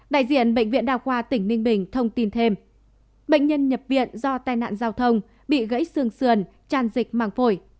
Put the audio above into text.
đại diện bệnh viện đa khoa tỉnh ninh bình thông tin thêm bệnh nhân nhập viện do tai nạn giao thông bị gãy xương sườn tràn dịch màng phổi